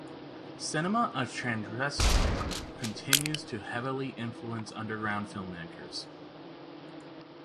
Cinema of Transgression continues to heavily influence underground filmmakers.